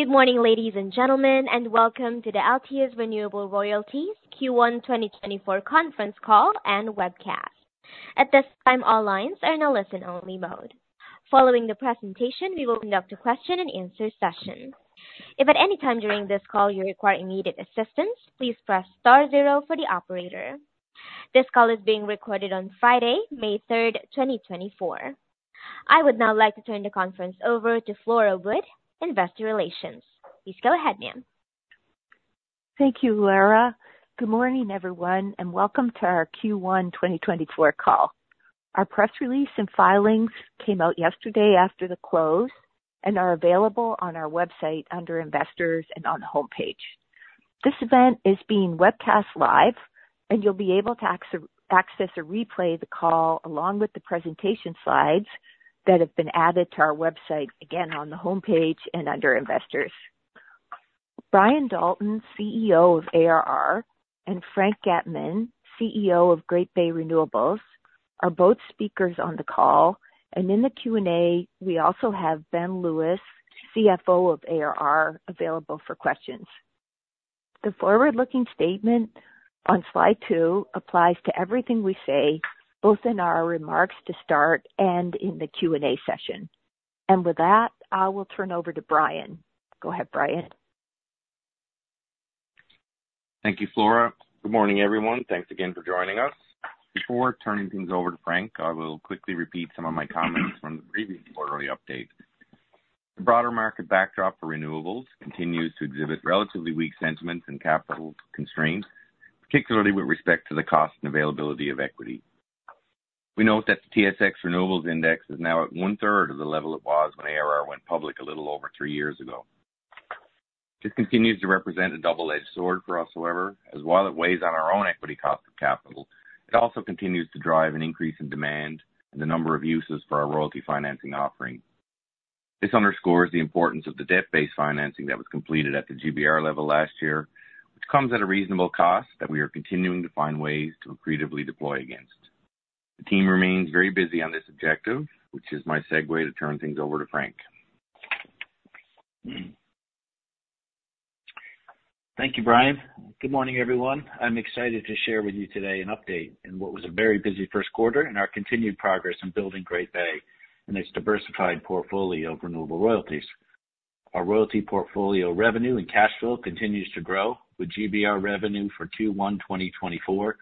Good morning, ladies and gentlemen, and welcome to the Altius Renewable Royalties Q1 2024 Conference Call and Webcast. At this time, all lines are in a listen-only mode. Following the presentation, we will conduct a question-and-answer session. If at any time during this call you require immediate assistance, please press star zero for the operator. This call is being recorded on Friday, May 3rd, 2024. I would now like to turn the conference over to Flora Wood, Investor Relations. Please go ahead, ma'am. Thank you, Lara. Good morning, everyone, and welcome to our Q1 2024 call. Our press release and filings came out yesterday after the close and are available on our website under Investors and on the homepage. This event is being webcast live, and you'll be able to access or replay the call along with the presentation slides that have been added to our website, again, on the homepage and under Investors. Brian Dalton, CEO of ARR, and Frank Getman, CEO of Great Bay Renewables, are both speakers on the call. And in the Q&A, we also have Ben Lewis, CFO of ARR, available for questions. The forward-looking statement on slide two applies to everything we say, both in our remarks to start and in the Q&A session. And with that, I will turn over to Brian. Go ahead, Brian. Thank you, Flora. Good morning, everyone. Thanks again for joining us. Before turning things over to Frank, I will quickly repeat some of my comments from the previous quarterly update. The broader market backdrop for renewables continues to exhibit relatively weak sentiments and capital constraints, particularly with respect to the cost and availability of equity. We note that the TSX Renewables Index is now at one-third of the level it was when ARR went public a little over three years ago. This continues to represent a double-edged sword for us, however, as while it weighs on our own equity cost of capital, it also continues to drive an increase in demand and the number of uses for our royalty financing offering. This underscores the importance of the debt-based financing that was completed at the GBR level last year, which comes at a reasonable cost that we are continuing to find ways to creatively deploy against. The team remains very busy on this objective, which is my segue to turn things over to Frank. Thank you, Brian. Good morning, everyone. I'm excited to share with you today an update in what was a very busy first quarter and our continued progress in building Great Bay and its diversified portfolio of renewable royalties. Our royalty portfolio revenue and cash flow continues to grow, with GBR revenue for Q1 2024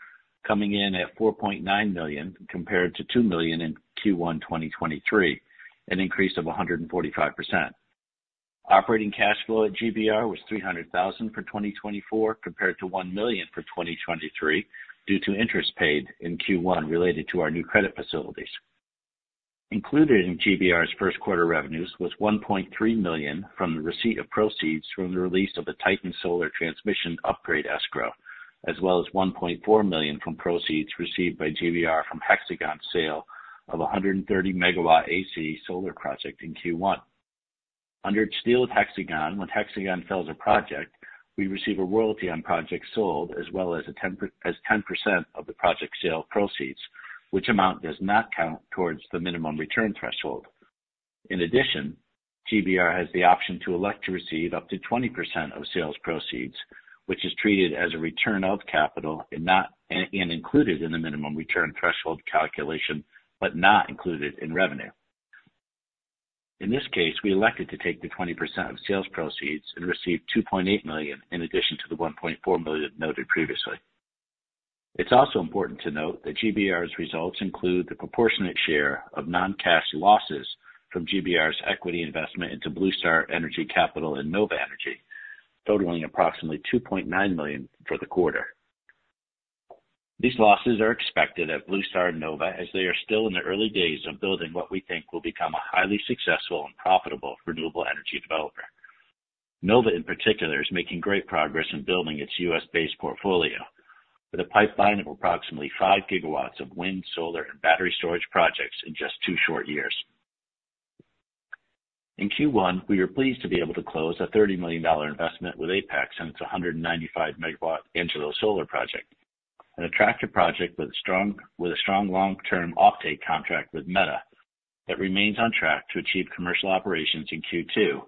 coming in at $4.9 million, compared to $2 million in Q1 2023, an increase of 145%. Operating cash flow at GBR was $300,000 for 2024, compared to $1 million for 2023, due to interest paid in Q1 related to our new credit facilities. Included in GBR's first quarter revenues was $1.3 million from the receipt of proceeds from the release of the Titan Solar transmission upgrade escrow, as well as $1.4 million from proceeds received by GBR from Hexagon's sale of a 130 MW AC solar project in Q1. Under its deal with Hexagon, when Hexagon sells a project, we receive a royalty on projects sold, as well as 10% of the project sale proceeds, which amount does not count towards the minimum return threshold. In addition, GBR has the option to elect to receive up to 20% of sales proceeds, which is treated as a return of capital and included in the minimum return threshold calculation, but not included in revenue. In this case, we elected to take the 20% of sales proceeds and received $2.8 million, in addition to the $1.4 million noted previously. It's also important to note that GBR's results include the proportionate share of non-cash losses from GBR's equity investment into BlueStar Energy Capital and Nova Clean Energy, totaling approximately $2.9 million for the quarter. These losses are expected at BlueStar and Nova, as they are still in the early days of building what we think will become a highly successful and profitable renewable energy developer. Nova, in particular, is making great progress in building its U.S.-based portfolio, with a pipeline of approximately 5 GW of wind, solar, and battery storage projects in just two short years. In Q1, we are pleased to be able to close a $30 million investment with Apex and its 195-megawatt Angelo Solar project, an attractive project with a strong long-term offtake contract with Meta that remains on track to achieve commercial operations in Q2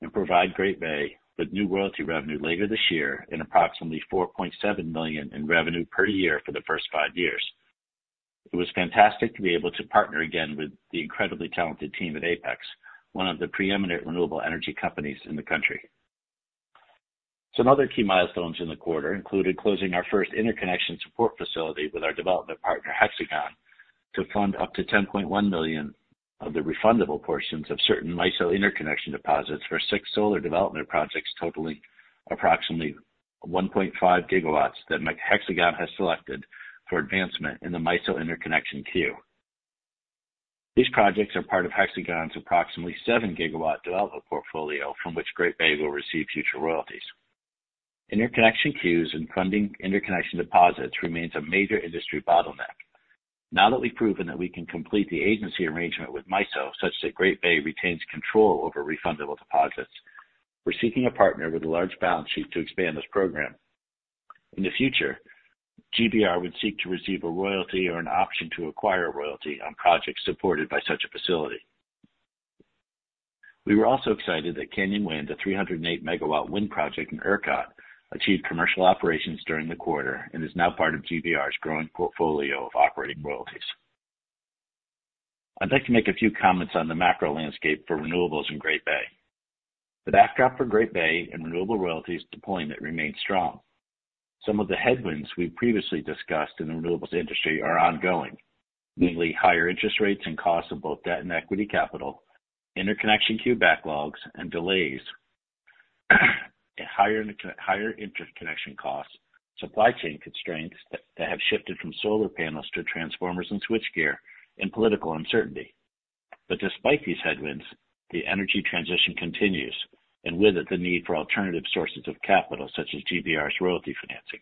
and provide Great Bay with new royalty revenue later this year and approximately $4.7 million in revenue per year for the first five years. It was fantastic to be able to partner again with the incredibly talented team at Apex, one of the preeminent renewable energy companies in the country. Some other key milestones in the quarter included closing our first interconnection support facility with our development partner, Hexagon, to fund up to $10.1 million of the refundable portions of certain MISO interconnection deposits for six solar development projects totaling approximately 1.5 GW that Hexagon has selected for advancement in the MISO interconnection queue. These projects are part of Hexagon's approximately 7 GW development portfolio, from which Great Bay will receive future royalties. Interconnection queues and funding interconnection deposits remains a major industry bottleneck. Now that we've proven that we can complete the agency arrangement with MISO, such that Great Bay retains control over refundable deposits, we're seeking a partner with a large balance sheet to expand this program. In the future, GBR would seek to receive a royalty or an option to acquire a royalty on projects supported by such a facility. We were also excited that Canyon Wind, a 308 MW wind project in ERCOT, achieved commercial operations during the quarter and is now part of GBR's growing portfolio of operating royalties. I'd like to make a few comments on the macro landscape for renewables in Great Bay. The backdrop for Great Bay and renewable royalties deployment remains strong. Some of the headwinds we've previously discussed in the renewables industry are ongoing, namely higher interest rates and costs of both debt and equity capital, interconnection queue backlogs and delays, and higher and higher interconnection costs, supply chain constraints that have shifted from solar panels to transformers and switchgear, and political uncertainty. But despite these headwinds, the energy transition continues, and with it, the need for alternative sources of capital, such as GBR's royalty financing.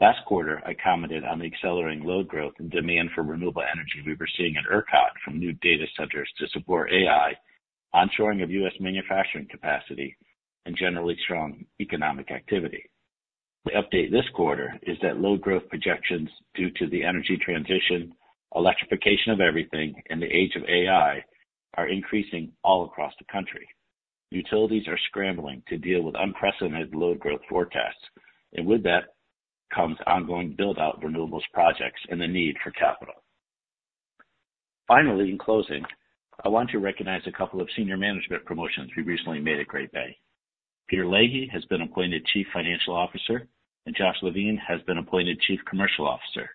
Last quarter, I commented on the accelerating load growth and demand for renewable energy we were seeing at ERCOT from new data centers to support AI, onshoring of U.S. manufacturing capacity, and generally strong economic activity. The update this quarter is that load growth projections due to the energy transition, electrification of everything, and the age of AI are increasing all across the country. Utilities are scrambling to deal with unprecedented load growth forecasts, and with that comes ongoing build-out renewables projects and the need for capital. Finally, in closing, I want to recognize a couple of senior management promotions we recently made at Great Bay. Peter Leahey has been appointed Chief Financial Officer, and Josh Levine has been appointed Chief Commercial Officer.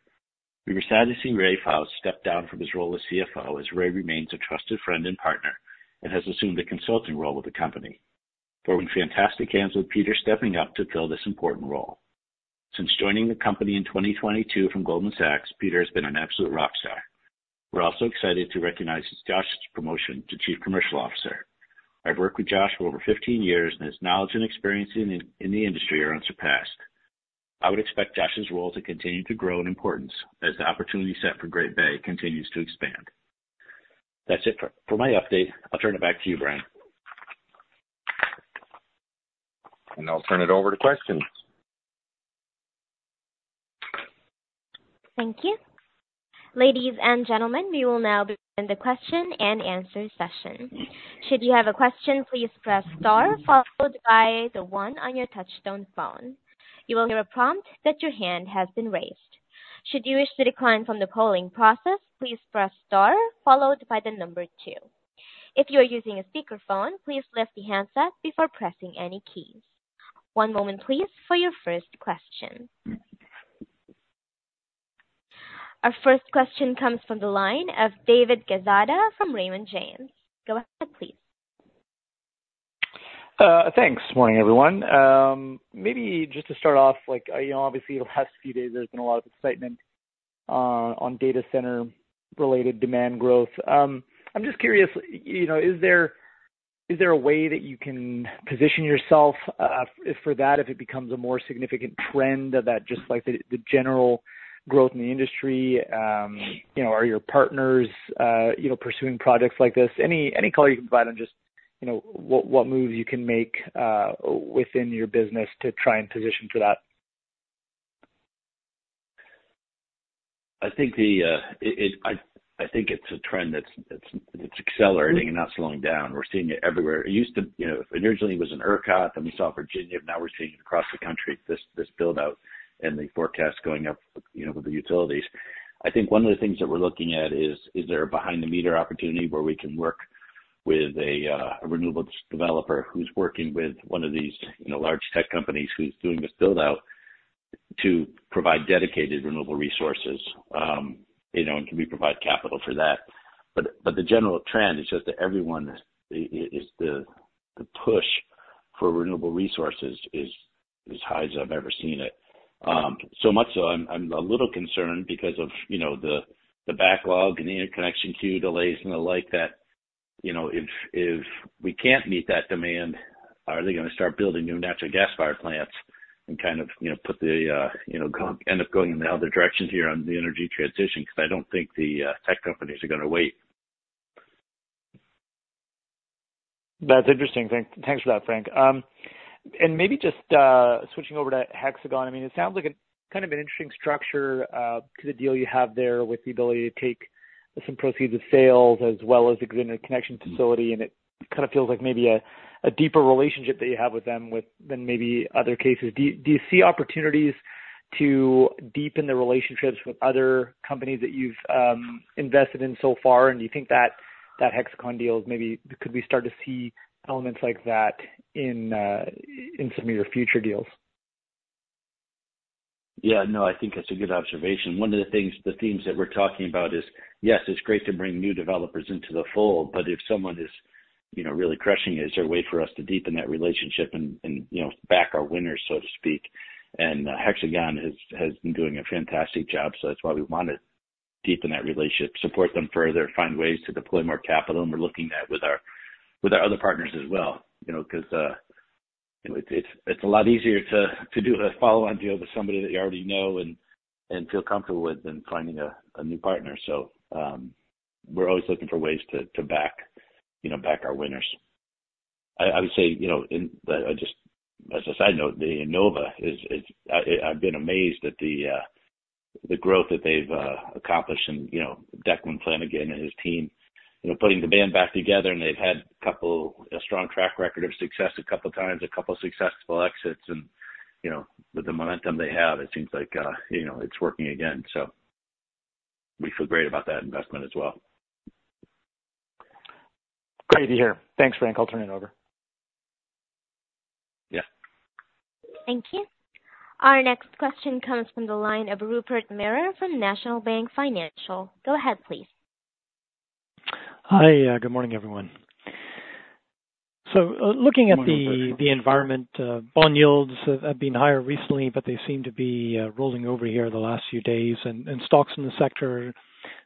We were sad to see Ray Faust step down from his role as CFO, as Ray remains a trusted friend and partner and has assumed a consulting role with the company. We're in fantastic hands with Peter stepping up to fill this important role. Since joining the company in 2022 from Goldman Sachs, Peter has been an absolute rock star. We're also excited to recognize Josh's promotion to chief commercial officer. I've worked with Josh for over 15 years, and his knowledge and experience in the industry are unsurpassed. I would expect Josh's role to continue to grow in importance as the opportunity set for Great Bay continues to expand. That's it for my update. I'll turn it back to you, Brian. I'll turn it over to questions. Thank you. Ladies and gentlemen, we will now begin the question and answer session. Should you have a question, please press star followed by the one on your touchtone phone. You will hear a prompt that your hand has been raised. Should you wish to decline from the polling process, please press star followed by the number two. If you are using a speakerphone, please lift the handset before pressing any keys. One moment, please, for your first question. Our first question comes from the line of David Quezada from Raymond James. Go ahead, please. Thanks. Morning, everyone. Maybe just to start off, like, you know, obviously, the last few days, there's been a lot of excitement on data center-related demand growth. I'm just curious, you know, is there, is there a way that you can position yourself for that if it becomes a more significant trend, that just like the general growth in the industry? You know, are your partners pursuing projects like this? Any color you can provide on just, you know, what moves you can make within your business to try and position for that? I think it's a trend that's accelerating and not slowing down. We're seeing it everywhere. It used to, you know, originally it was in ERCOT, then we saw Virginia, now we're seeing it across the country, this build-out and the forecast going up, you know, with the utilities. I think one of the things that we're looking at is there a behind the meter opportunity where we can work with a renewables developer who's working with one of these, you know, large tech companies who's doing this build-out, to provide dedicated renewable resources? You know, and can we provide capital for that? But the general trend is just that everyone is the push for renewable resources is as high as I've ever seen it. So much so I'm a little concerned because of, you know, the backlog and the interconnection queue delays and the like, that, you know, if we can't meet that demand, are they gonna start building new natural gas power plants and kind of, you know, end up going in the other direction here on the energy transition? Because I don't think the tech companies are gonna wait. That's interesting. Thanks for that, Frank. And maybe just switching over to Hexagon. I mean, it sounds like a kind of an interesting structure to the deal you have there, with the ability to take some proceeds of sales as well as the connection facility, and it kind of feels like maybe a deeper relationship that you have with them than maybe other cases. Do you see opportunities to deepen the relationships with other companies that you've invested in so far? And do you think that Hexagon deal is maybe - could we start to see elements like that in some of your future deals? Yeah, no, I think that's a good observation. One of the things, the themes that we're talking about is, yes, it's great to bring new developers into the fold, but if someone is, you know, really crushing it, is there a way for us to deepen that relationship and, you know, back our winners, so to speak? And, Hexagon has been doing a fantastic job, so that's why we want to deepen that relationship, support them further, find ways to deploy more capital, and we're looking at with our other partners as well. You know, because, you know, it's a lot easier to do a follow-on deal with somebody that you already know and feel comfortable with than finding a new partner. So, we're always looking for ways to back, you know, back our winners.... I would say, you know, in just as a side note, Nova is, I've been amazed at the growth that they've accomplished and, you know, Declan Flanagan and his team, you know, putting the band back together, and they've had a strong track record of success, a couple times, a couple successful exits and, you know, with the momentum they have, it seems like, you know, it's working again. So we feel great about that investment as well. Great to hear. Thanks, Frank. I'll turn it over. Yeah. Thank you. Our next question comes from the line of Rupert Merer from National Bank Financial. Go ahead, please. Hi, good morning, everyone. So, looking at the- Good morning, Rupert. The environment, bond yields have been higher recently, but they seem to be rolling over here the last few days, and stocks in the sector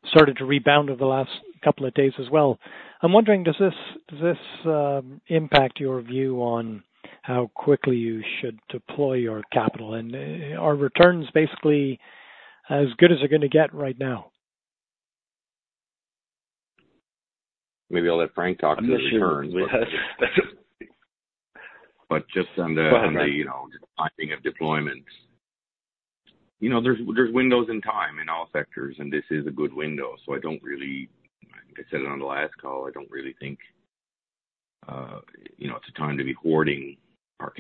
started to rebound over the last couple of days as well. I'm wondering, does this impact your view on how quickly you should deploy your capital? And, are returns basically as good as they're gonna get right now? Maybe I'll let Frank talk to the returns. But just on the- Go ahead, Frank. on the, you know, timing of deployment. You know, there are windows in time in all sectors, and this is a good window, so I don't really... I think I said it on the last call, I don't really think, you know, it's a time to be hoarding our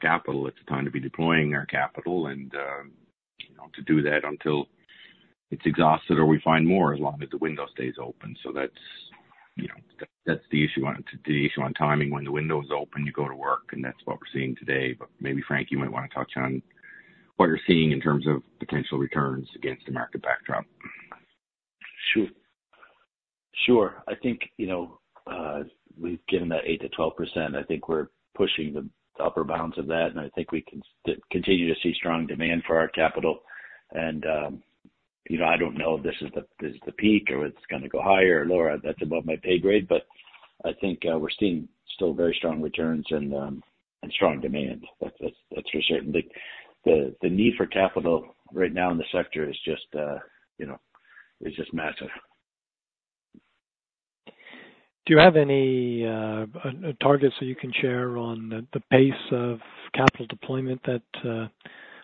capital. It's a time to be deploying our capital and, you know, to do that until it's exhausted or we find more, as long as the window stays open. So that's, you know, that's the issue on it. The issue on timing, when the window's open, you go to work, and that's what we're seeing today. But maybe Frank, you might want to touch on what you're seeing in terms of potential returns against the market backdrop. Sure. Sure. I think, you know, we've given that 8%-12%. I think we're pushing the upper bounds of that, and I think we continue to see strong demand for our capital. And, you know, I don't know if this is the, this is the peak or it's gonna go higher or lower. That's above my pay grade, but I think, we're seeing still very strong returns and, and strong demand. That's, that's, that's for certain. The, the, the need for capital right now in the sector is just, you know, is just massive. Do you have any targets that you can share on the pace of capital deployment that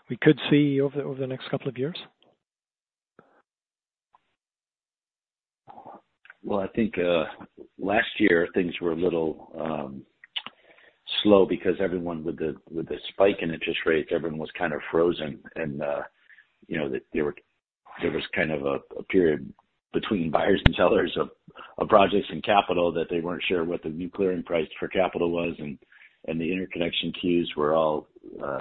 we could see over the next couple of years? Well, I think last year things were a little slow because everyone with the spike in interest rates, everyone was kind of frozen and, you know, there was kind of a period between buyers and sellers of projects and capital, that they weren't sure what the new clearing price for capital was, and the interconnection queues were all,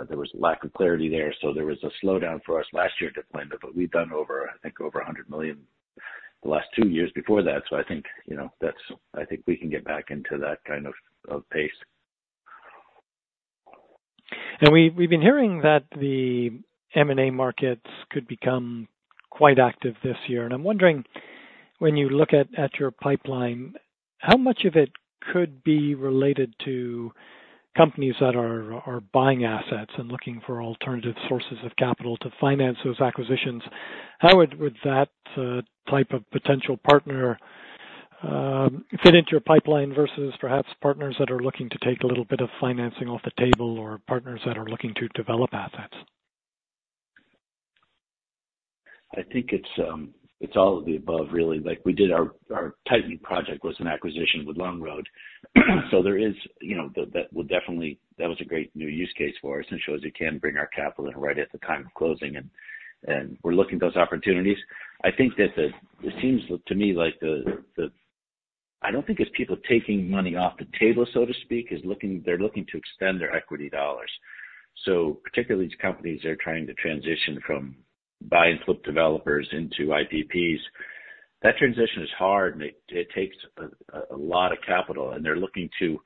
there was lack of clarity there. So there was a slowdown for us last year deployment, but we've done over, I think, over $100 million the last two years before that. So I think, you know, that's, I think we can get back into that kind of pace. And we, we've been hearing that the M&A markets could become quite active this year. And I'm wondering, when you look at, at your pipeline, how much of it could be related to companies that are, are buying assets and looking for alternative sources of capital to finance those acquisitions? How would, would that type of potential partner fit into your pipeline versus perhaps partners that are looking to take a little bit of financing off the table, or partners that are looking to develop assets? I think it's, it's all of the above, really, like we did our Titan project was an acquisition with Longroad. So there is, you know, that would definitely, that was a great new use case for us, and shows you can bring our capital in right at the time of closing, and we're looking at those opportunities. I think that. It seems to me like the, the, I don't think it's people taking money off the table, so to speak, they're looking to extend their equity dollars. So particularly these companies, they're trying to transition from buy and flip developers into IPPs. That transition is hard, and it takes a lot of capital, and they're looking to,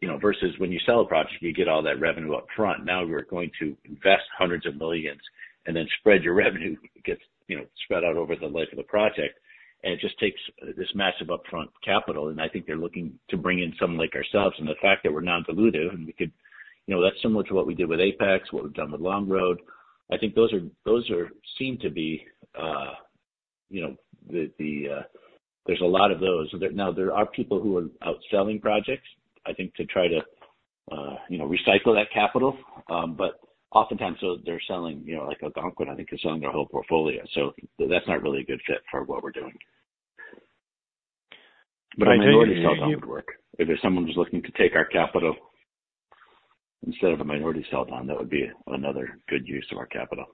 you know, versus when you sell a project, you get all that revenue up front. Now you're going to invest hundreds of millions dollars and then spread your revenue, you know, spread out over the life of the project. And it just takes this massive upfront capital, and I think they're looking to bring in some like ourselves, and the fact that we're non-dilutive and we could. You know, that's similar to what we did with Apex, what we've done with Longroad. I think those seem to be, you know, there's a lot of those. Now, there are people who are out selling projects, I think, to try to, you know, recycle that capital, but oftentimes, so they're selling, you know, like Algonquin, I think, is selling their whole portfolio. So that's not really a good fit for what we're doing. But a minority sell-down would work. If there's someone who's looking to take our capital instead of a minority sell-down, that would be another good use of our capital.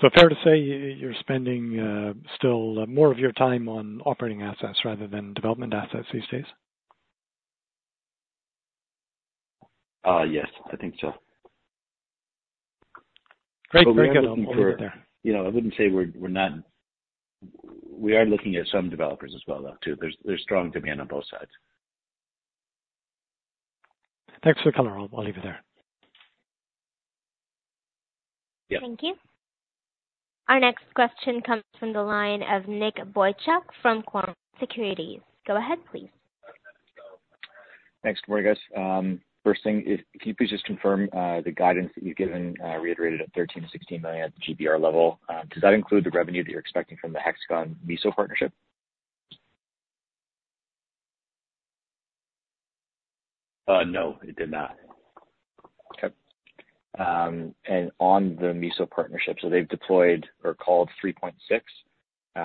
So, fair to say you're spending still more of your time on operating assets rather than development assets these days? Yes, I think so. Great. Very good. You know, I wouldn't say we're not. We are looking at some developers as well, though, too. There's strong demand on both sides. Thanks for the color. I'll, I'll leave it there. Yeah. Thank you. Our next question comes from the line of Nick Boychuk from Cormark Securities. Go ahead, please.... Thanks. Good morning, guys. First thing is, can you please just confirm the guidance that you've given, reiterated at $13 million-$16 million at the GBR level? Does that include the revenue that you're expecting from the Hexagon MISO partnership? No, it did not. Okay. And on the MISO partnership, so they've deployed or called 3.6. Do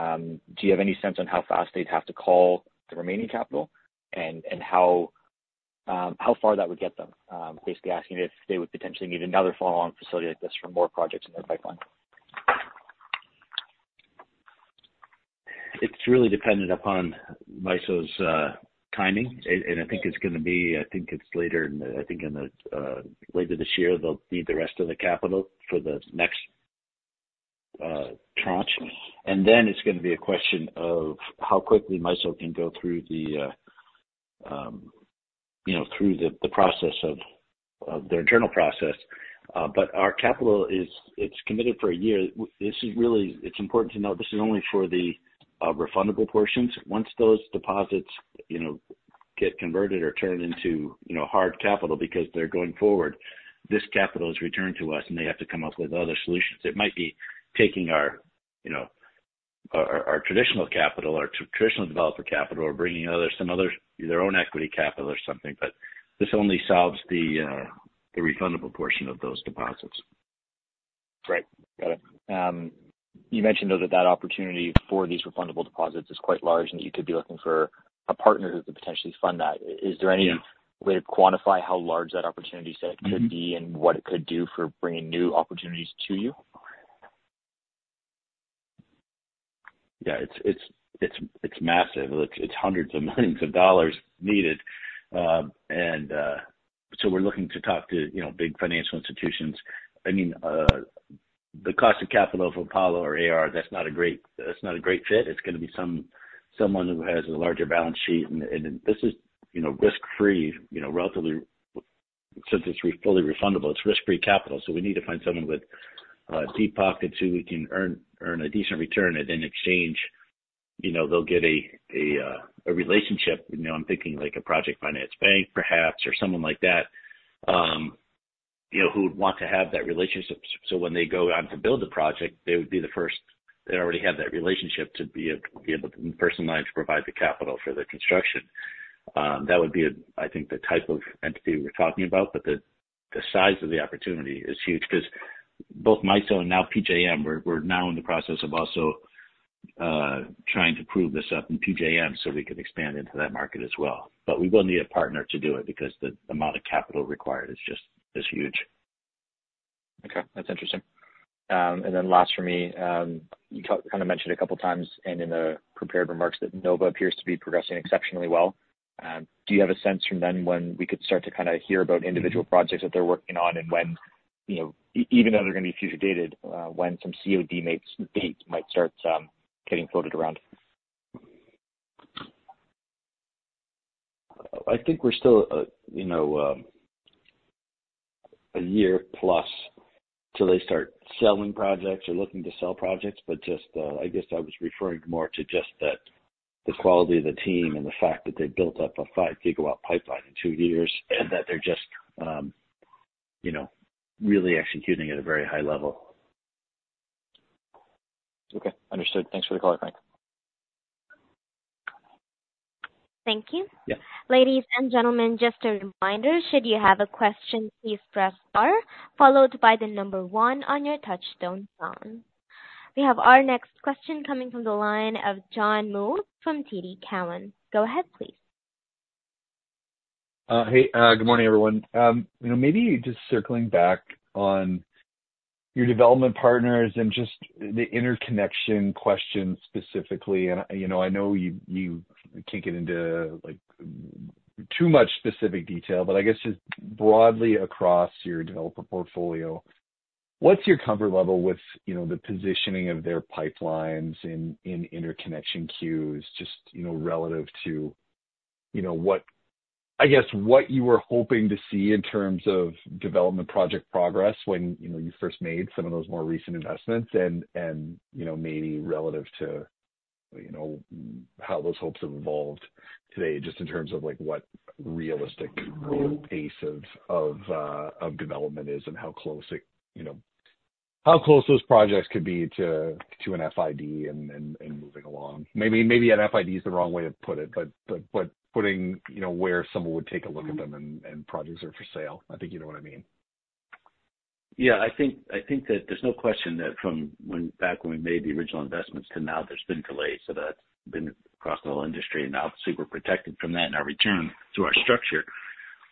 you have any sense on how fast they'd have to call the remaining capital and how far that would get them? Basically asking if they would potentially need another follow-on facility like this for more projects in their pipeline. It's really dependent upon MISO's timing, and I think it's gonna be later this year. They'll need the rest of the capital for the next tranche. And then it's gonna be a question of how quickly MISO can go through the process of their internal process, you know. But our capital is committed for a year. This is really important to note, this is only for the refundable portions. Once those deposits, you know, get converted or turned into hard capital, because they're going forward, this capital is returned to us, and they have to come up with other solutions. It might be taking our, you know, our traditional capital or traditional developer capital, or bringing some other their own equity capital or something, but this only solves the refundable portion of those deposits. Right. Got it. You mentioned, though, that that opportunity for these refundable deposits is quite large, and you could be looking for a partner who could potentially fund that. Yeah. Is there any way to quantify how large that opportunity set could be and what it could do for bringing new opportunities to you? Yeah, it's massive. Look, it's hundreds of millions dollars needed. So we're looking to talk to, you know, big financial institutions. I mean, the cost of capital of Apollo or ARR, that's not a great, that's not a great fit. It's gonna be someone who has a larger balance sheet, and this is, you know, risk-free, you know, relatively, since it's fully refundable, it's risk-free capital. So we need to find someone with deep pockets who can earn a decent return, and in exchange, you know, they'll get a relationship. You know, I'm thinking like a project finance bank, perhaps, or someone like that, you know, who would want to have that relationship. So when they go out to build the project, they would be the first—they already have that relationship to be able to provide the capital for the construction. That would be, I think, the type of entity we're talking about, but the size of the opportunity is huge because both MISO and now PJM, we're now in the process of also trying to prove this up in PJM so we can expand into that market as well. But we will need a partner to do it because the amount of capital required is just huge. Okay, that's interesting. And then last for me, you kind of mentioned a couple of times and in the prepared remarks, that Nova appears to be progressing exceptionally well. Do you have a sense from them when we could start to kind of hear about individual projects that they're working on and when, you know, even though they're going to be future dated, when some COD dates might start getting floated around? I think we're still, you know, a year plus till they start selling projects or looking to sell projects, but just, I guess I was referring more to just that, the quality of the team and the fact that they built up a 5 GW pipeline in two years, and that they're just, you know, really executing at a very high level. Okay, understood. Thanks for the call, Frank. Thank you. Yeah. Ladies and gentlemen, just a reminder, should you have a question, please press star, followed by the number one on your touch tone phone. We have our next question coming from the line of John Mould from TD Cowen. Go ahead, please. Hey, good morning, everyone. You know, maybe just circling back on your development partners and just the interconnection question specifically. And, you know, I know you can't get into, like, too much specific detail, but I guess just broadly across your developer portfolio, what's your comfort level with, you know, the positioning of their pipelines in interconnection queues, just, you know, relative to, you know, what, I guess, what you were hoping to see in terms of development project progress when, you know, you first made some of those more recent investments? And, you know, maybe relative to, you know, how those hopes have evolved today, just in terms of, like, what realistic pace of development is and how close it, you know, how close those projects could be to an FID and moving along? Maybe an FID is the wrong way to put it, but putting, you know, where someone would take a look at them and projects are for sale. I think you know what I mean. Yeah, I think that there's no question that from when, back when we made the original investments to now, there's been delays, so that's been across the whole industry, and obviously we're protected from that in our return through our structure.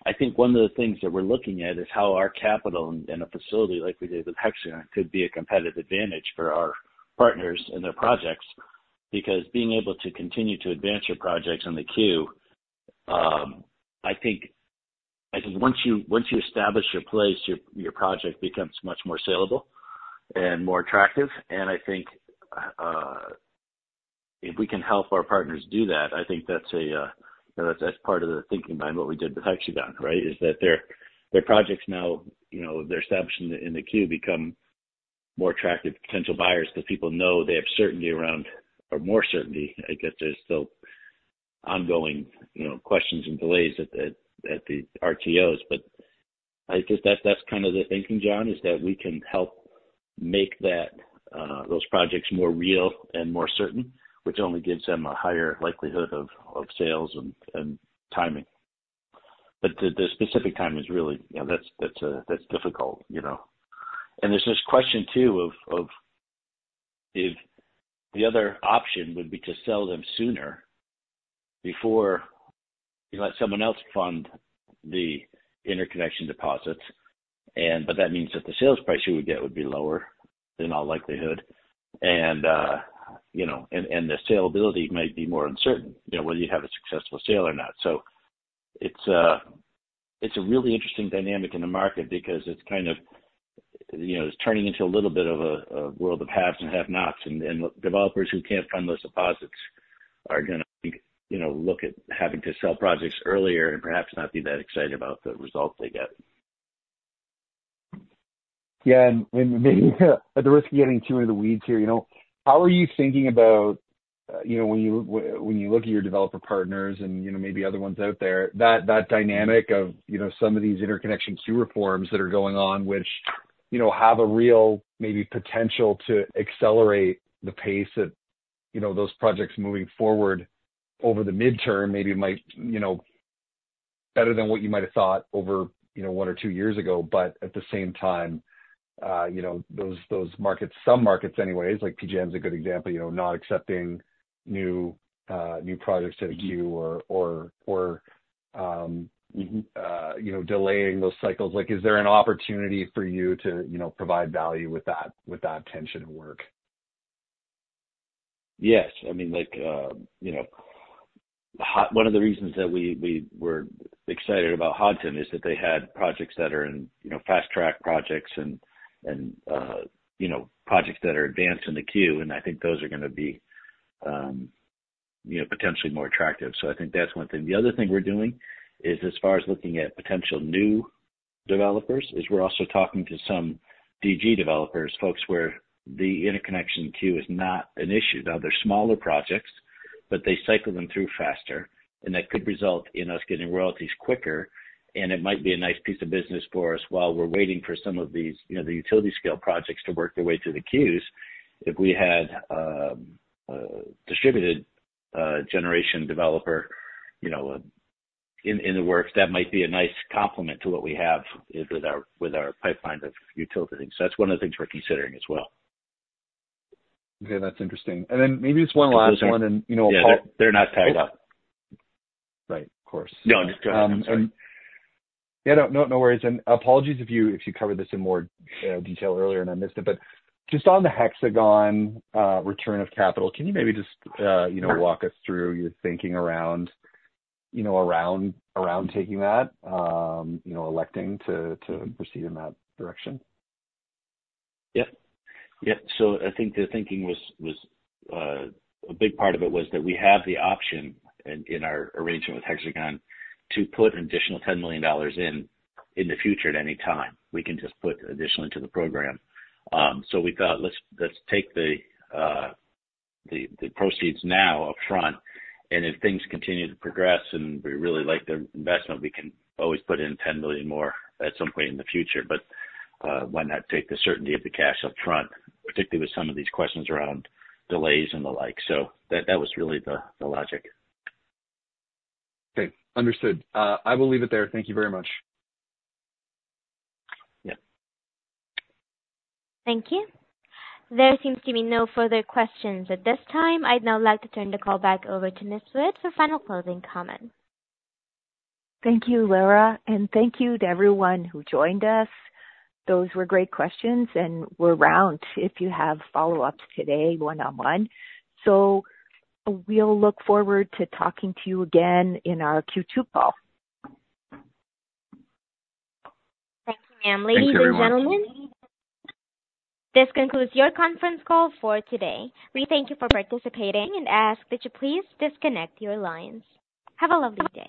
I think one of the things that we're looking at is how our capital and a facility like we did with Hexagon could be a competitive advantage for our partners and their projects. Because being able to continue to advance your projects in the queue, I think once you establish your place, your project becomes much more saleable and more attractive. And I think if we can help our partners do that, I think that's part of the thinking behind what we did with Hexagon, right? Is that their projects now, you know, their establishment in the queue become more attractive potential buyers, because people know they have certainty around or more certainty. I guess there's still ongoing, you know, questions and delays at the RTOs. But I guess that's kind of the thinking, John, is that we can help make that, those projects more real and more certain, which only gives them a higher likelihood of sales and timing. But the specific timing is really, you know, that's difficult, you know? And there's this question, too, of if the other option would be to sell them sooner before you let someone else fund the interconnection deposits. But that means that the sales price you would get would be lower in all likelihood. You know, and the saleability might be more uncertain, you know, whether you'd have a successful sale or not. So it's a really interesting dynamic in the market because it's kind of, you know, it's turning into a little bit of a world of haves and have-nots, and developers who can't fund those deposits are gonna, you know, look at having to sell projects earlier and perhaps not be that excited about the results they get. Yeah, maybe at the risk of getting too into the weeds here, you know, how are you thinking about, you know, when you look at your developer partners and, you know, maybe other ones out there, that dynamic of, you know, some of these interconnection queue reforms that are going on, which, you know, have a real maybe potential to accelerate the pace of, you know, those projects moving forward over the midterm, maybe might, you know, better than what you might have thought over, you know, one or two years ago. But at the same time, you know, those markets, some markets anyways, like PJM is a good example, you know, not accepting new projects to the queue or, you know, delaying those cycles. Like, is there an opportunity for you to, you know, provide value with that, with that tension at work? Yes. I mean, like, you know, one of the reasons that we, we were excited about Hodson is that they had projects that are in, you know, fast-track projects and, and, you know, projects that are advanced in the queue, and I think those are gonna be, you know, potentially more attractive. So I think that's one thing. The other thing we're doing is as far as looking at potential new developers, is we're also talking to some DG developers, folks where the interconnection queue is not an issue. Now, they're smaller projects, but they cycle them through faster, and that could result in us getting royalties quicker, and it might be a nice piece of business for us while we're waiting for some of these, you know, the utility scale projects to work their way through the queues. If we had distributed generation developer, you know, in the works, that might be a nice complement to what we have with our pipeline of utility. So that's one of the things we're considering as well. Okay, that's interesting. And then maybe just one last one, and, you know- Yeah, they're not tagged up. Right. Of course. No, just go ahead. Yeah, no, no, no worries. Apologies if you, if you covered this in more detail earlier and I missed it. But just on the Hexagon return of capital, can you maybe just, you know, walk us through your thinking around, you know, around, around taking that, you know, electing to, to proceed in that direction? Yep. Yep. So I think the thinking was a big part of it was that we have the option in our arrangement with Hexagon to put an additional $10 million in the future at any time. We can just put additional into the program. So we thought, let's take the proceeds now upfront, and if things continue to progress and we really like the investment, we can always put in $10 million more at some point in the future. But why not take the certainty of the cash upfront, particularly with some of these questions around delays and the like? So that was really the logic. Great, understood. I will leave it there. Thank you very much. Yeah. Thank you. There seems to be no further questions at this time. I'd now like to turn the call back over to Ms. Wood for final closing comments. Thank you, Lara, and thank you to everyone who joined us. Those were great questions, and we're around if you have follow-ups today, one on one. So we'll look forward to talking to you again in our Q2 call. Thank you, ma'am. Thank you very much. Ladies and gentlemen, this concludes your conference call for today. We thank you for participating and ask that you please disconnect your lines. Have a lovely day.